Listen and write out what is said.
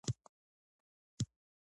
موږ یو بل ټکی هم زیاتولی شو.